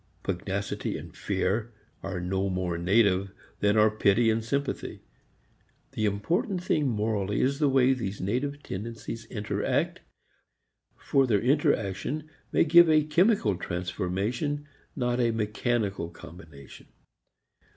Pugnacity and fear are no more native than are pity and sympathy. The important thing morally is the way these native tendencies interact, for their interaction may give a chemical transformation not a mechanical combination.